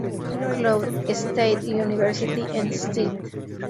Cloud State University en St.